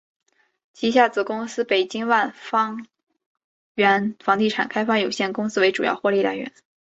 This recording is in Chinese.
旗下子公司北京万方源房地产开发有限公司为主要获利来源。